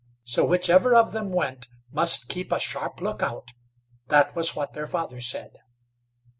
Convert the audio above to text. So whichever of them went must keep a sharp look out; that was what their father said.